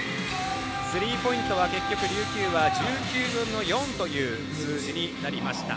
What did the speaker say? スリーポイントは、結局琉球は１９分の４という数字になりました。